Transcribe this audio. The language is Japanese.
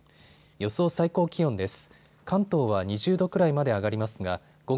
予想最高気温です。